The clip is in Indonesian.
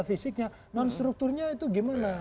fisiknya non strukturnya itu gimana